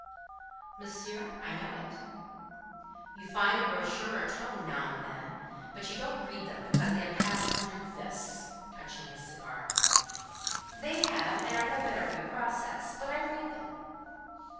"Monsieur, I know it." "You find a brochure or tome now and then; but you don't read them, because they have passed under this?"—touching his cigar. "They have, and are no better for the process; but I read them."